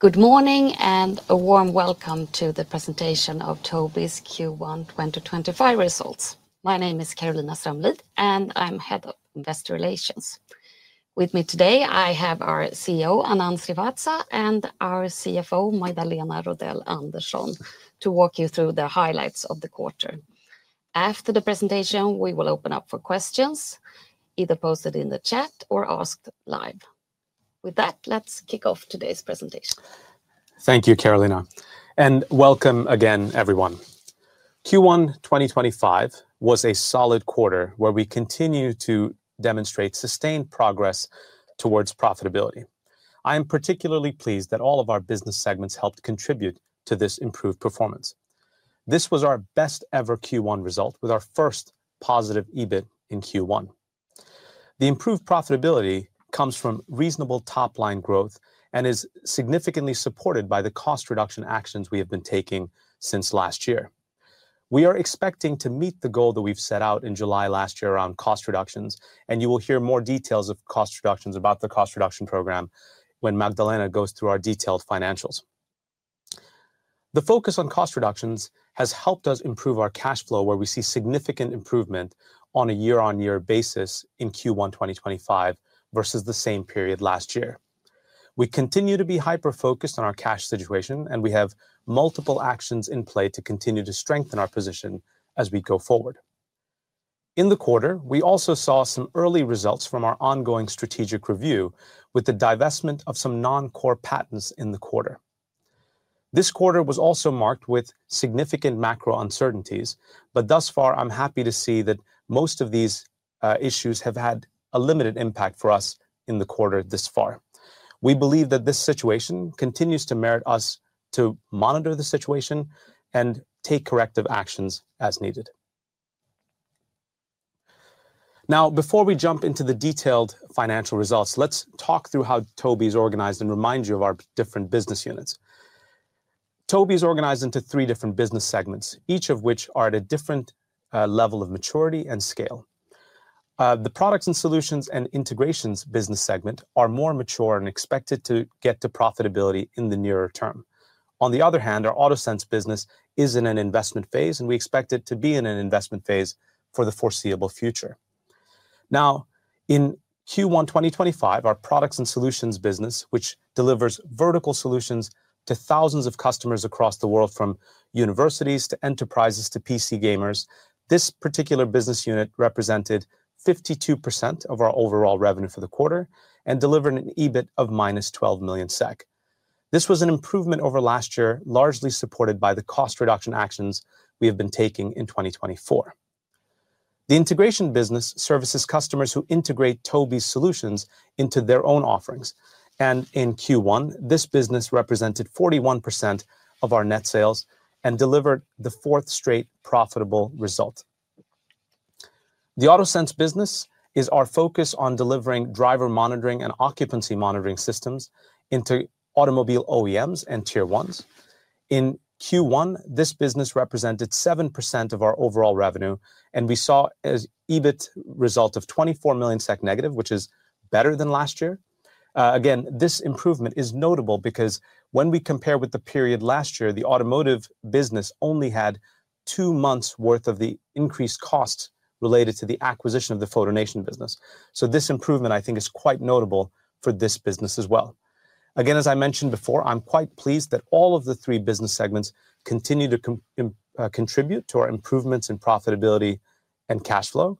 Good morning and a warm welcome to the presentation of Tobii's Q1 2025 results. My name is Carolina Strömlid, and I'm Head of Investor Relations. With me today, I have our CEO, Anand Srivatsa, and our CFO, Magdalena Rodell Andersson, to walk you through the highlights of the quarter. After the presentation, we will open up for questions, either posted in the chat or asked live. With that, let's kick off today's presentation. Thank you, Carolina, and welcome again, everyone. Q1 2025 was a solid quarter where we continue to demonstrate sustained progress towards profitability. I am particularly pleased that all of our business segments helped contribute to this improved performance. This was our best-ever Q1 result, with our first positive EBIT in Q1. The improved profitability comes from reasonable top-line growth and is significantly supported by the cost reduction actions we have been taking since last year. We are expecting to meet the goal that we've set out in July last year around cost reductions, and you will hear more details of cost reductions about the cost reduction program when Magdalena goes through our detailed financials. The focus on cost reductions has helped us improve our cash flow, where we see significant improvement on a year-on-year basis in Q1 2025 versus the same period last year. We continue to be hyper-focused on our cash situation, and we have multiple actions in play to continue to strengthen our position as we go forward. In the quarter, we also saw some early results from our ongoing strategic review, with the divestment of some non-core patents in the quarter. This quarter was also marked with significant macro uncertainties, but thus far, I'm happy to see that most of these issues have had a limited impact for us in the quarter this far. We believe that this situation continues to merit us to monitor the situation and take corrective actions as needed. Now, before we jump into the detailed financial results, let's talk through how Tobii is organized and remind you of our different business units. Tobii is organized into three different business segments, each of which is at a different level of maturity and scale. The products and solutions and integrations business segment are more mature and expected to get to profitability in the nearer term. On the other hand, our AutoSense business is in an investment phase, and we expect it to be in an investment phase for the foreseeable future. Now, in Q1 2025, our products and solutions business, which delivers vertical solutions to thousands of customers across the world, from universities to enterprises to PC gamers, this particular business unit represented 52% of our overall revenue for the quarter and delivered an EBIT of -12 million SEK. This was an improvement over last year, largely supported by the cost reduction actions we have been taking in 2024. The integration business services customers who integrate Tobii's solutions into their own offerings, and in Q1, this business represented 41% of our net sales and delivered the fourth straight profitable result. The AutoSense business is our focus on delivering driver monitoring and occupancy monitoring systems into automobile OEMs and tier ones. In Q1, this business represented 7% of our overall revenue, and we saw an EBIT result of 24 million SEK negative, which is better than last year. This improvement is notable because when we compare with the period last year, the automotive business only had two months' worth of the increased costs related to the acquisition of the Fotonation business. This improvement, I think, is quite notable for this business as well. As I mentioned before, I'm quite pleased that all of the three business segments continue to contribute to our improvements in profitability and cash flow.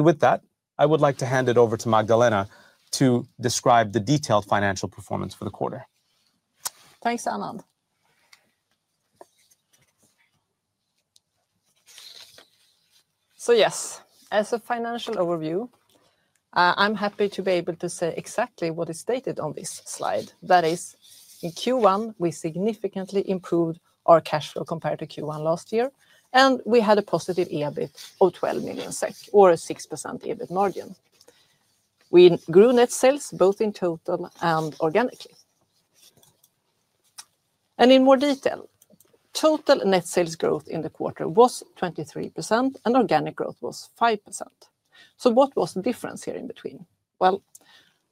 With that, I would like to hand it over to Magdalena to describe the detailed financial performance for the quarter. Thanks, Anand. Yes, as a financial overview, I'm happy to be able to say exactly what is stated on this slide. That is, in Q1, we significantly improved our cash flow compared to Q1 last year, and we had a positive EBIT of 12 million SEK, or a 6% EBIT margin. We grew net sales both in total and organically. In more detail, total net sales growth in the quarter was 23%, and organic growth was 5%. What was the difference here in between?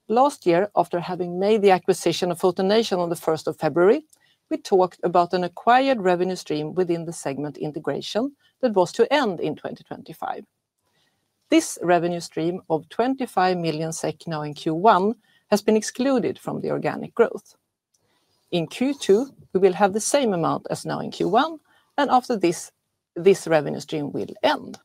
Last year, after having made the acquisition of Fotonation on the 1st of February, we talked about an acquired revenue stream within the segment integration that was to end in 2025. This revenue stream of 25 million SEK now in Q1 has been excluded from the organic growth. In Q2, we will have the same amount as now in Q1, and after this, this revenue stream will end.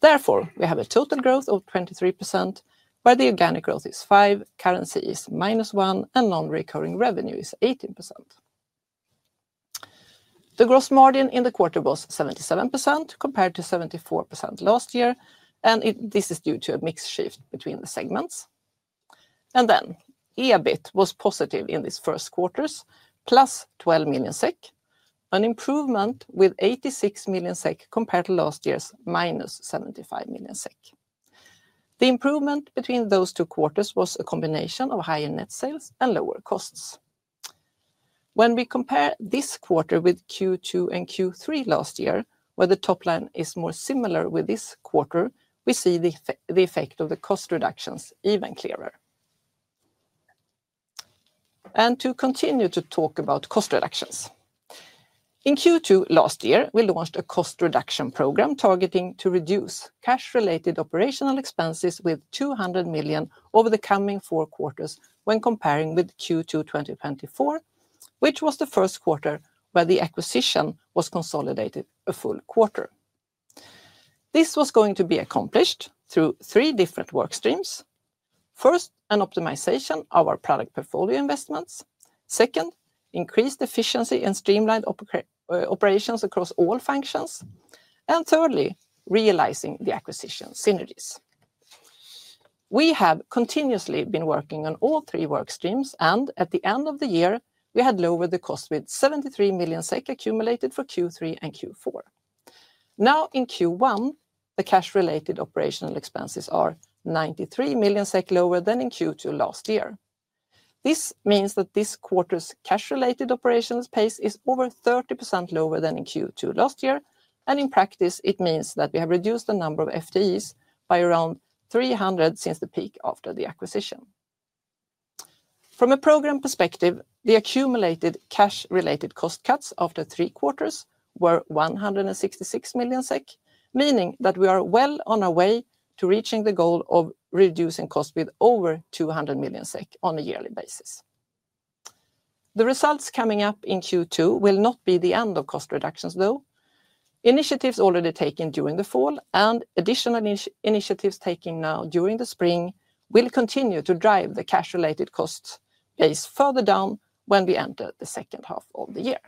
Therefore, we have a total growth of 23%, where the organic growth is 5%, currency is -1%, and non-recurring revenue is 18%. The gross margin in the quarter was 77% compared to 74% last year, and this is due to a mix shift between the segments. EBIT was positive in these first quarters, plus 12 million SEK, an improvement with 86 million SEK compared to last year's minus 75 million SEK. The improvement between those two quarters was a combination of higher net sales and lower costs. When we compare this quarter with Q2 and Q3 last year, where the top line is more similar with this quarter, we see the effect of the cost reductions even clearer. To continue to talk about cost reductions, in Q2 last year, we launched a cost reduction program targeting to reduce cash-related operational expenses with 200 million over the coming four quarters when comparing with Q2 2024, which was the first quarter where the acquisition was consolidated a full quarter. This was going to be accomplished through three different work streams. First, an optimization of our product portfolio investments. Second, increased efficiency and streamlined operations across all functions. Thirdly, realizing the acquisition synergies. We have continuously been working on all three work streams, and at the end of the year, we had lowered the cost with 73 million SEK accumulated for Q3 and Q4. Now, in Q1, the cash-related operational expenses are 93 million SEK lower than in Q2 last year. This means that this quarter's cash-related operations pace is over 30% lower than in Q2 last year, and in practice, it means that we have reduced the number of FTEs by around 300 since the peak after the acquisition. From a program perspective, the accumulated cash-related cost cuts after three quarters were 166 million SEK, meaning that we are well on our way to reaching the goal of reducing costs with over 200 million SEK on a yearly basis. The results coming up in Q2 will not be the end of cost reductions, though. Initiatives already taken during the fall and additional initiatives taken now during the spring will continue to drive the cash-related cost base further down when we enter the second half of the year.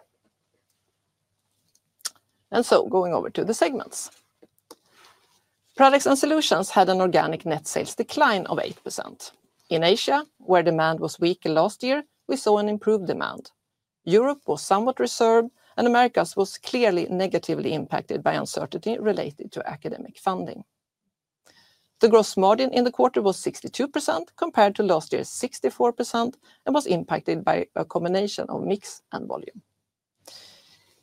Going over to the segments, products and solutions had an organic net sales decline of 8%. In Asia, where demand was weaker last year, we saw an improved demand. Europe was somewhat reserved, and America was clearly negatively impacted by uncertainty related to academic funding. The gross margin in the quarter was 62% compared to last year's 64% and was impacted by a combination of mix and volume.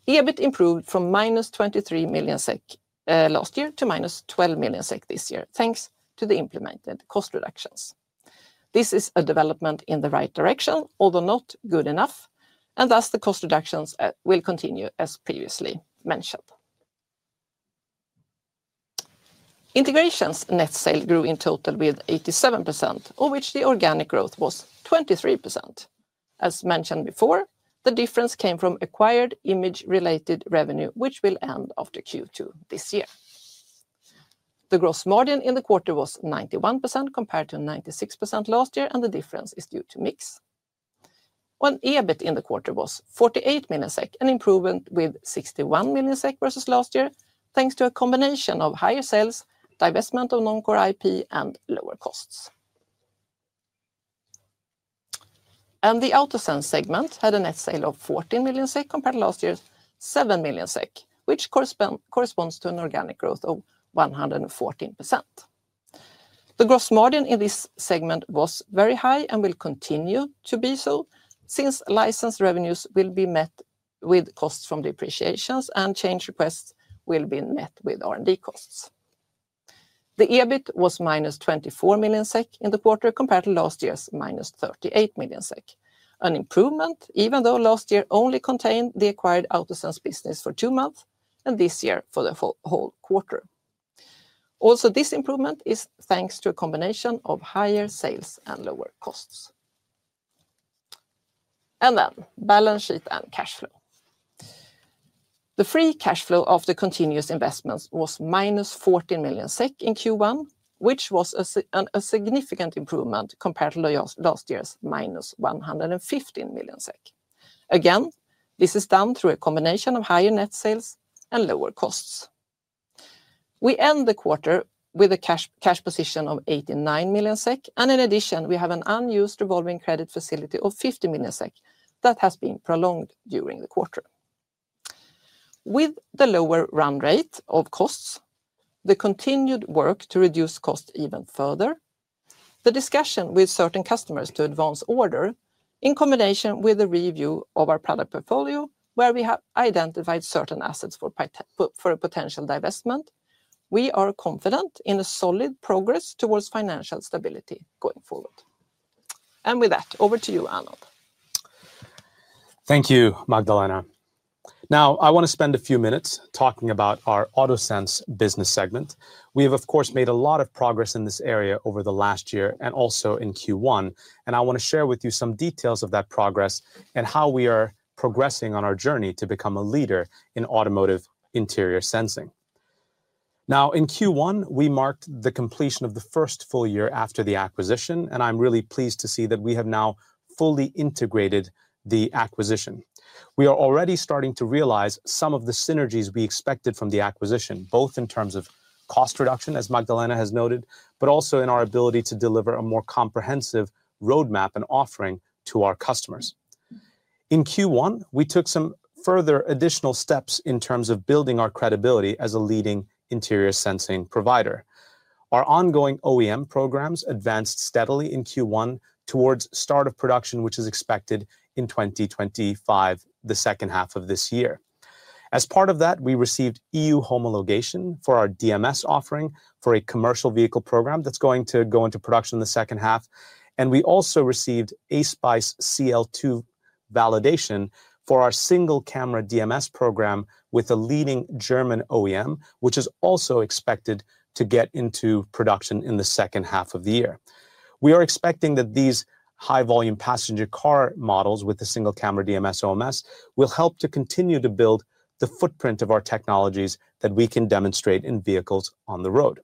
EBIT improved from minus 23 million SEK last year to minus 12 million SEK this year thanks to the implemented cost reductions. This is a development in the right direction, although not good enough, and thus the cost reductions will continue as previously mentioned. Integration's net sale grew in total with 87%, of which the organic growth was 23%. As mentioned before, the difference came from acquired image-related revenue, which will end after Q2 this year. The gross margin in the quarter was 91% compared to 96% last year, and the difference is due to mix. EBIT in the quarter was 48 million SEK, an improvement with 61 million SEK versus last year thanks to a combination of higher sales, divestment of non-core IP, and lower costs. The AutoSense segment had a net sale of 14 million SEK compared to last year's 7 million SEK, which corresponds to an organic growth of 114%. The gross margin in this segment was very high and will continue to be so since license revenues will be met with costs from depreciations, and change requests will be met with R&D costs. EBIT was minus 24 million SEK in the quarter compared to last year's minus 38 million SEK, an improvement even though last year only contained the acquired AutoSense business for two months and this year for the whole quarter. This improvement is thanks to a combination of higher sales and lower costs. The free cash flow after continuous investments was -14 million SEK in Q1, which was a significant improvement compared to last year's -115 million SEK. This is done through a combination of higher net sales and lower costs. We end the quarter with a cash position of 89 million SEK, and in addition, we have an unused revolving credit facility of 50 million SEK that has been prolonged during the quarter. With the lower run rate of costs, the continued work to reduce costs even further, the discussion with certain customers to advance order, in combination with the review of our product portfolio, where we have identified certain assets for a potential divestment, we are confident in a solid progress towards financial stability going forward. With that, over to you, Anand. Thank you, Magdalena. Now, I want to spend a few minutes talking about our AutoSense business segment. We have, of course, made a lot of progress in this area over the last year and also in Q1, and I want to share with you some details of that progress and how we are progressing on our journey to become a leader in automotive interior sensing. Now, in Q1, we marked the completion of the first full year after the acquisition, and I'm really pleased to see that we have now fully integrated the acquisition. We are already starting to realize some of the synergies we expected from the acquisition, both in terms of cost reduction, as Magdalena has noted, but also in our ability to deliver a more comprehensive roadmap and offering to our customers. In Q1, we took some further additional steps in terms of building our credibility as a leading interior sensing provider. Our ongoing OEM programs advanced steadily in Q1 towards start of production, which is expected in 2025, the second half of this year. As part of that, we received EU homologation for our DMS offering for a commercial vehicle program that's going to go into production in the second half, and we also received ASPICE CL2 validation for our single camera DMS program with a leading German OEM, which is also expected to get into production in the second half of the year. We are expecting that these high-volume passenger car models with the single camera DMS OMS will help to continue to build the footprint of our technologies that we can demonstrate in vehicles on the road.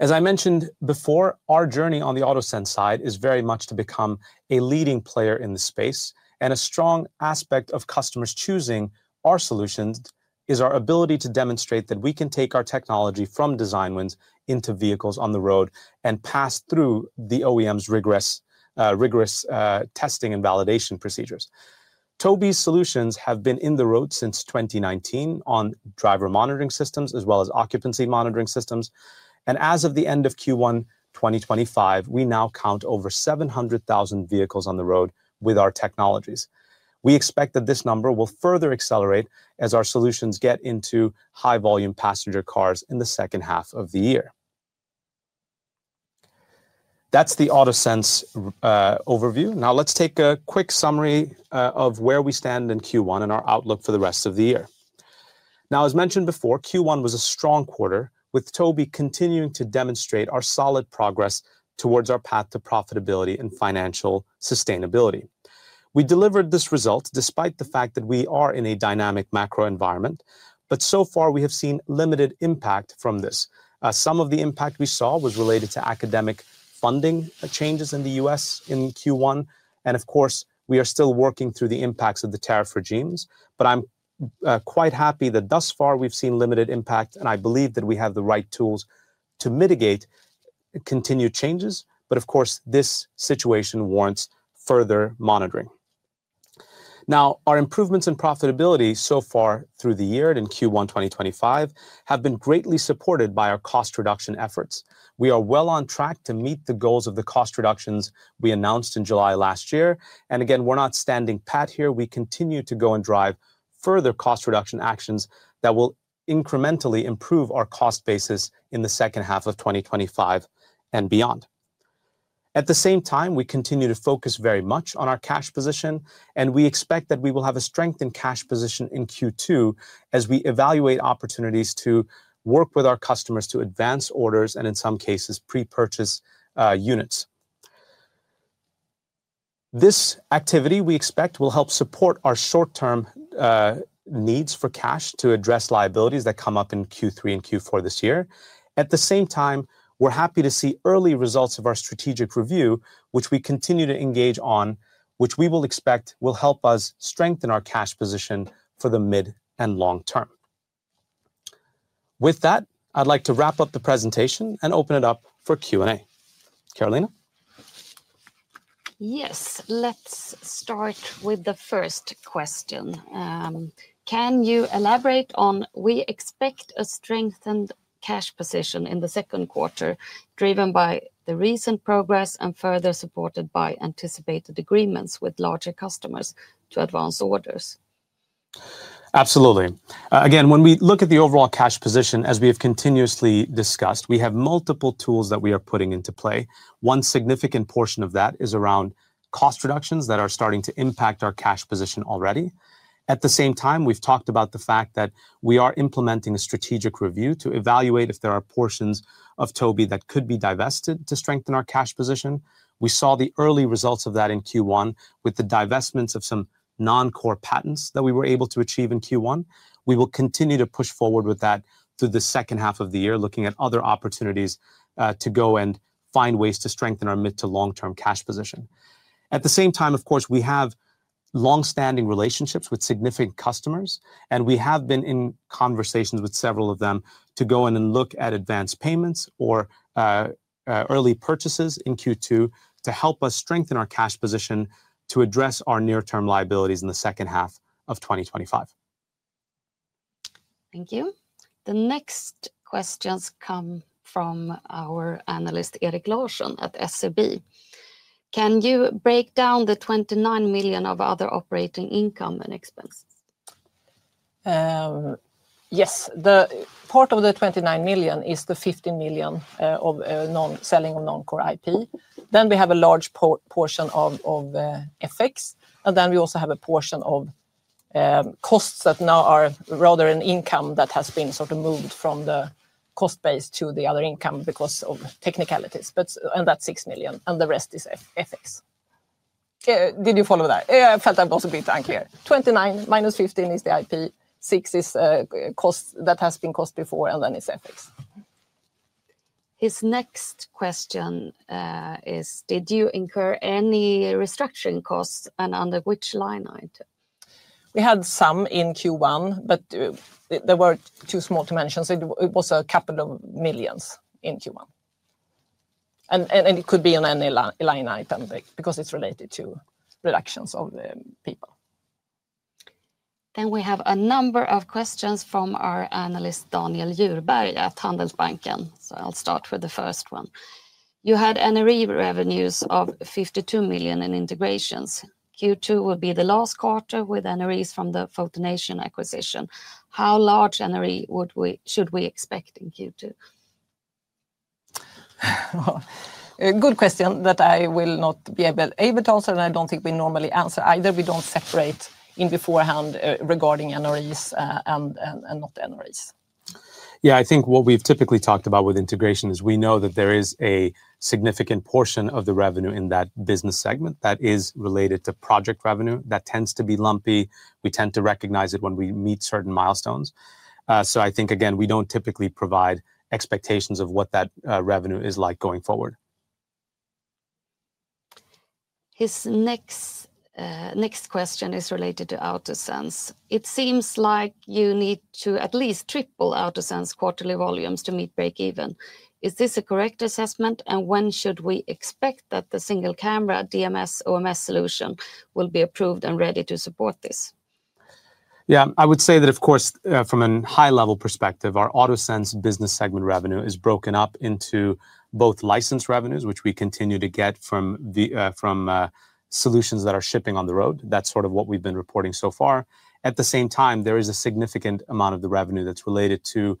As I mentioned before, our journey on the AutoSense side is very much to become a leading player in the space, and a strong aspect of customers choosing our solutions is our ability to demonstrate that we can take our technology from design wins into vehicles on the road and pass through the OEM's rigorous testing and validation procedures. Tobii's solutions have been in the road since 2019 on driver monitoring systems as well as occupancy monitoring systems, and as of the end of Q1 2025, we now count over 700,000 vehicles on the road with our technologies. We expect that this number will further accelerate as our solutions get into high-volume passenger cars in the second half of the year. That is the AutoSense overview. Now, let's take a quick summary of where we stand in Q1 and our outlook for the rest of the year. Now, as mentioned before, Q1 was a strong quarter with Tobii continuing to demonstrate our solid progress towards our path to profitability and financial sustainability. We delivered this result despite the fact that we are in a dynamic macro environment, but so far we have seen limited impact from this. Some of the impact we saw was related to academic funding changes in the U.S. in Q1, and of course, we are still working through the impacts of the tariff regimes, but I'm quite happy that thus far we've seen limited impact, and I believe that we have the right tools to mitigate continued changes, but of course, this situation warrants further monitoring. Now, our improvements in profitability so far through the year and in Q1 2025 have been greatly supported by our cost reduction efforts. We are well on track to meet the goals of the cost reductions we announced in July last year, and again, we're not standing pat here. We continue to go and drive further cost reduction actions that will incrementally improve our cost basis in the second half of 2025 and beyond. At the same time, we continue to focus very much on our cash position, and we expect that we will have a strengthened cash position in Q2 as we evaluate opportunities to work with our customers to advance orders and in some cases, pre-purchase units. This activity we expect will help support our short-term needs for cash to address liabilities that come up in Q3 and Q4 this year. At the same time, we're happy to see early results of our strategic review, which we continue to engage on, which we expect will help us strengthen our cash position for the mid and long term. With that, I'd like to wrap up the presentation and open it up for Q&A. Carolina? Yes, let's start with the first question. Can you elaborate on, we expect a strengthened cash position in the second quarter driven by the recent progress and further supported by anticipated agreements with larger customers to advance orders? Absolutely. Again, when we look at the overall cash position, as we have continuously discussed, we have multiple tools that we are putting into play. One significant portion of that is around cost reductions that are starting to impact our cash position already. At the same time, we've talked about the fact that we are implementing a strategic review to evaluate if there are portions of Tobii that could be divested to strengthen our cash position. We saw the early results of that in Q1 with the divestments of some non-core patents that we were able to achieve in Q1. We will continue to push forward with that through the second half of the year, looking at other opportunities to go and find ways to strengthen our mid to long-term cash position. At the same time, of course, we have long-standing relationships with significant customers, and we have been in conversations with several of them to go and look at advanced payments or early purchases in Q2 to help us strengthen our cash position to address our near-term liabilities in the second half of 2025. Thank you. The next questions come from our analyst Erik Larsson at SEB. Can you break down the 29 million of other operating income and expenses? Yes. The part of the 29 million is the 15 million of selling of non-core IP. Then we have a large portion of FX, and then we also have a portion of costs that now are rather an income that has been sort of moved from the cost base to the other income because of technicalities, and that is 6 million, and the rest is FX. Did you follow that? I felt that was a bit unclear. 29 million minus 15 million is the IP, 6 million is cost that has been cost before, and then it is FX. His next question is, did you incur any restructuring costs and under which line item? We had some in Q1, but they were too small to mention. It was a couple of million SEK in Q1. It could be on any line item because it's related to reductions of people. We have a number of questions from our analyst Daniel Jureberg at Handelsbanken, so I'll start with the first one. You had NRE revenues of 52 million in integrations. Q2 will be the last quarter with NREs from the Fotonation acquisition. How large NRE should we expect in Q2? Good question that I will not be able to answer, and I do not think we normally answer either. We do not separate in beforehand regarding NREs and not NREs. Yeah, I think what we've typically talked about with integration is we know that there is a significant portion of the revenue in that business segment that is related to project revenue that tends to be lumpy. We tend to recognize it when we meet certain milestones. I think, again, we don't typically provide expectations of what that revenue is like going forward. His next question is related to AutoSense. It seems like you need to at least triple AutoSense quarterly volumes to meet break-even. Is this a correct assessment, and when should we expect that the single camera DMS OMS solution will be approved and ready to support this? Yeah, I would say that, of course, from a high-level perspective, our AutoSense business segment revenue is broken up into both license revenues, which we continue to get from solutions that are shipping on the road. That's sort of what we've been reporting so far. At the same time, there is a significant amount of the revenue that's related to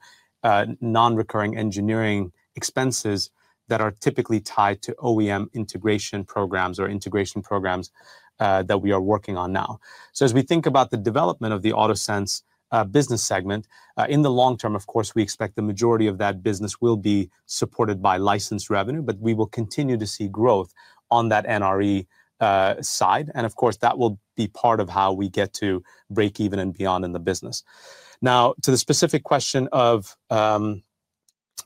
non-recurring engineering expenses that are typically tied to OEM integration programs or integration programs that we are working on now. As we think about the development of the AutoSense business segment, in the long term, of course, we expect the majority of that business will be supported by license revenue, but we will continue to see growth on that NRE side, and of course, that will be part of how we get to break-even and beyond in the business. Now, to the specific question of,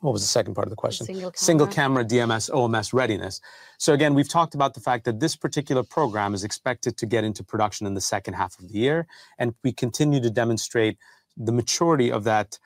what was the second part of the question? Single camera. Single camera DMS OMS readiness. Again, we've talked about the fact that this particular program is expected to get into production in the second half of the year, and we continue to demonstrate the maturity of that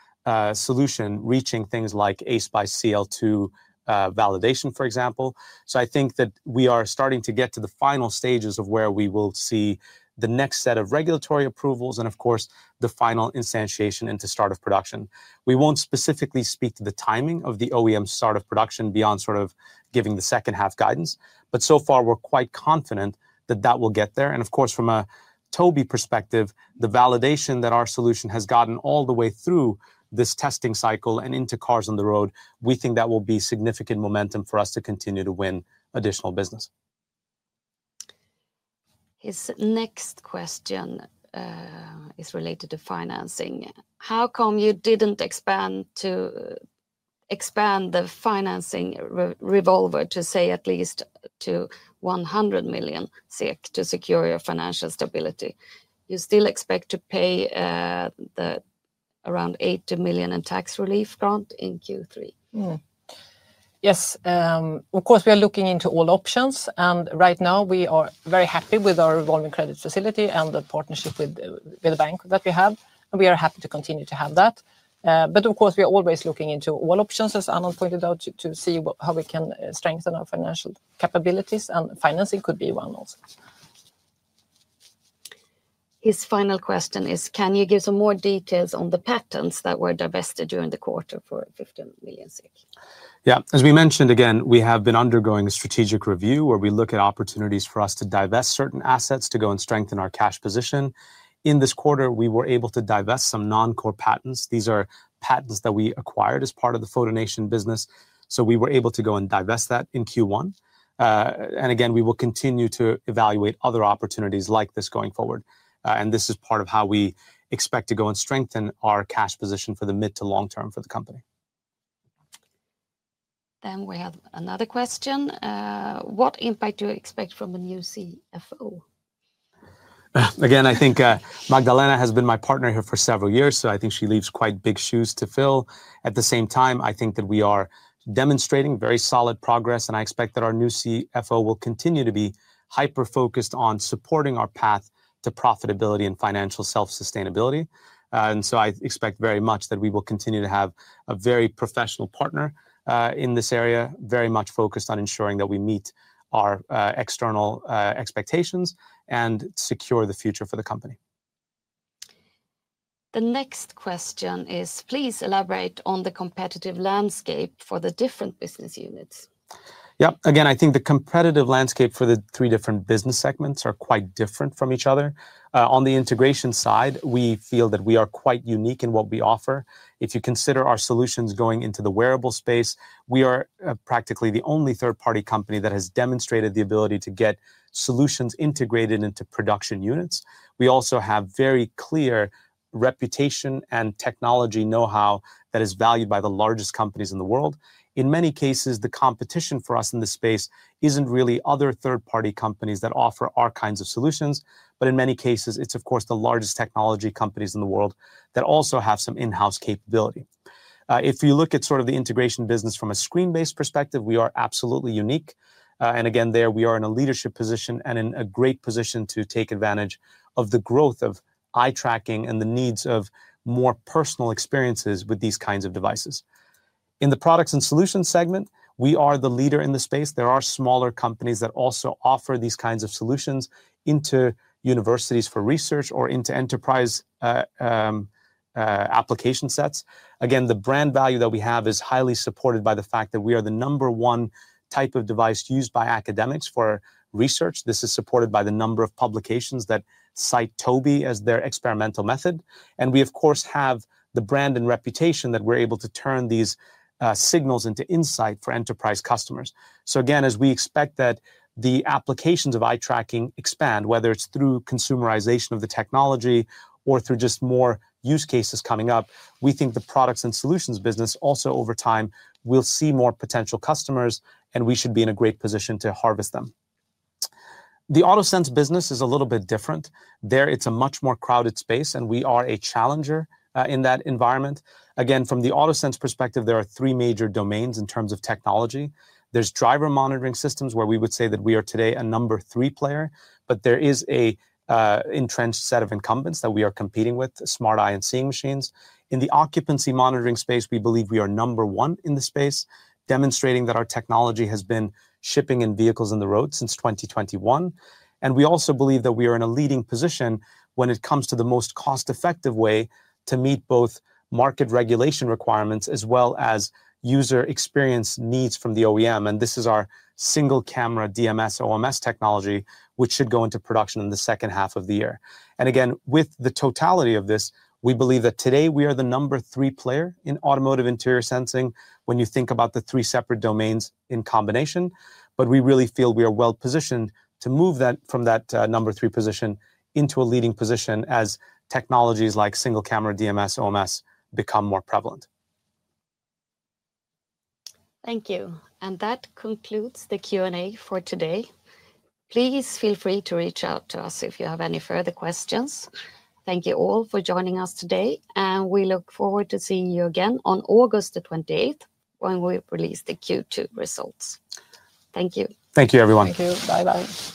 solution reaching things like ASPICE CL2 validation, for example. I think that we are starting to get to the final stages of where we will see the next set of regulatory approvals and, of course, the final instantiation into start of production. We won't specifically speak to the timing of the OEM start of production beyond sort of giving the second half guidance, but so far, we're quite confident that that will get there. Of course, from a Tobii perspective, the validation that our solution has gotten all the way through this testing cycle and into cars on the road, we think that will be significant momentum for us to continue to win additional business. His next question is related to financing. How come you didn't expand the financing revolver, to say at least to 100 million SEK to secure your financial stability? You still expect to pay around 80 million in tax relief grant in Q3. Yes. Of course, we are looking into all options, and right now, we are very happy with our revolving credit facility and the partnership with the bank that we have, and we are happy to continue to have that. Of course, we are always looking into all options, as Anand pointed out, to see how we can strengthen our financial capabilities, and financing could be one also. His final question is, can you give some more details on the patents that were divested during the quarter for 15 million? Yeah. As we mentioned, again, we have been undergoing a strategic review where we look at opportunities for us to divest certain assets to go and strengthen our cash position. In this quarter, we were able to divest some non-core patents. These are patents that we acquired as part of the Fotonation business, so we were able to go and divest that in Q1. Again, we will continue to evaluate other opportunities like this going forward, and this is part of how we expect to go and strengthen our cash position for the mid to long term for the company. What impact do you expect from the new CFO? Again, I think Magdalena has been my partner here for several years, so I think she leaves quite big shoes to fill. At the same time, I think that we are demonstrating very solid progress, and I expect that our new CFO will continue to be hyper-focused on supporting our path to profitability and financial self-sustainability. I expect very much that we will continue to have a very professional partner in this area, very much focused on ensuring that we meet our external expectations and secure the future for the company. The next question is, please elaborate on the competitive landscape for the different business units. Yeah. Again, I think the competitive landscape for the three different business segments are quite different from each other. On the integration side, we feel that we are quite unique in what we offer. If you consider our solutions going into the wearable space, we are practically the only third-party company that has demonstrated the ability to get solutions integrated into production units. We also have very clear reputation and technology know-how that is valued by the largest companies in the world. In many cases, the competition for us in this space isn't really other third-party companies that offer our kinds of solutions, but in many cases, it's, of course, the largest technology companies in the world that also have some in-house capability. If you look at sort of the integration business from a screen-based perspective, we are absolutely unique. Again, there we are in a leadership position and in a great position to take advantage of the growth of eye tracking and the needs of more personal experiences with these kinds of devices. In the products and solutions segment, we are the leader in the space. There are smaller companies that also offer these kinds of solutions into universities for research or into enterprise application sets. The brand value that we have is highly supported by the fact that we are the number one type of device used by academics for research. This is supported by the number of publications that cite Tobii as their experimental method. We, of course, have the brand and reputation that we're able to turn these signals into insight for enterprise customers. Again, as we expect that the applications of eye tracking expand, whether it's through consumerization of the technology or through just more use cases coming up, we think the products and solutions business also, over time, will see more potential customers, and we should be in a great position to harvest them. The AutoSense business is a little bit different. There, it's a much more crowded space, and we are a challenger in that environment. Again, from the AutoSense perspective, there are three major domains in terms of technology. There's driver monitoring systems where we would say that we are today a number three player, but there is an entrenched set of incumbents that we are competing with, Smart Eye and Seeing Machines. In the occupancy monitoring space, we believe we are number one in the space, demonstrating that our technology has been shipping in vehicles on the road since 2021. We also believe that we are in a leading position when it comes to the most cost-effective way to meet both market regulation requirements as well as user experience needs from the OEM. This is our single camera DMS OMS technology, which should go into production in the second half of the year. With the totality of this, we believe that today we are the number three player in automotive interior sensing when you think about the three separate domains in combination, but we really feel we are well positioned to move from that number three position into a leading position as technologies like single camera DMS OMS become more prevalent. Thank you. That concludes the Q&A for today. Please feel free to reach out to us if you have any further questions. Thank you all for joining us today, and we look forward to seeing you again on August the 28th when we release the Q2 results. Thank you. Thank you, everyone. Thank you. Bye-bye.